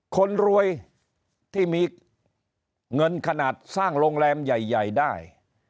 คนรวยที่มีเงินขนาดสร้างโรงแรมใหญ่ได้